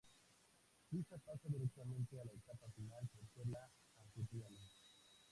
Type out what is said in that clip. Suiza pasa directamente a la etapa final por ser la anfitriona.